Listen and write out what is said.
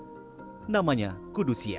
yang disebut kabolosi oleh penduduk setempat